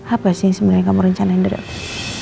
apa sih yang sebenernya kamu rencanain dari aku